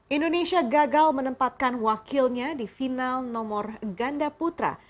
indonesia gagal menempatkan wakilnya di final nomor ganda putra